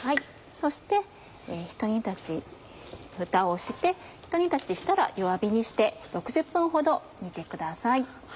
そしてふたをしてひと煮立ちしたら弱火にして６０分ほど煮てください。